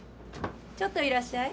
ちょっといらっしゃい。